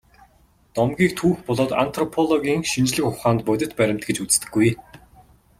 Домгийг түүх болоод антропологийн шинжлэх ухаанд бодит баримт гэж үздэггүй.